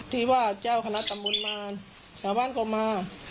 ที่ว่าเจ้าคณะตำบลนานชาวบ้านก็มา